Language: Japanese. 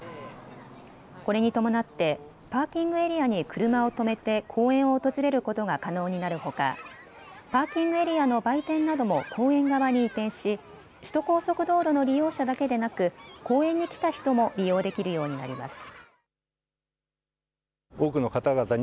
これに伴ってパーキングエリアに車を止めて公園を訪れることが可能になるほかパーキングエリアの売店なども公園側に移転し首都高速道路の利用者だけでなく公園に来た人も利用できるようになります。